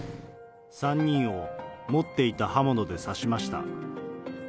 ３人を持っていた刃物で刺しました。